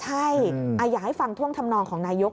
ใช่อยากให้ฟังท่วงทำนองของนายก